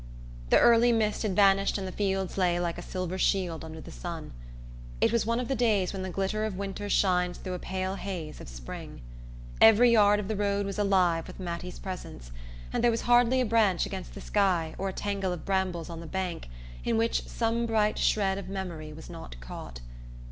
The early mist had vanished and the fields lay like a silver shield under the sun. It was one of the days when the glitter of winter shines through a pale haze of spring. Every yard of the road was alive with Mattie's presence, and there was hardly a branch against the sky or a tangle of brambles on the bank in which some bright shred of memory was not caught.